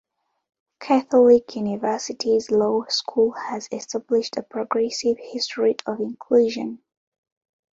Catholic University's law school has established a progressive history of inclusion.